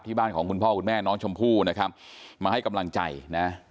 บ้านของคุณพ่อคุณแม่น้องชมพู่นะครับมาให้กำลังใจนะ